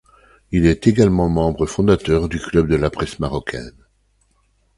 Il est également membre fondateur du Club de la presse marocaine.